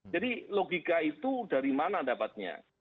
jadi logika itu dari mana dapatnya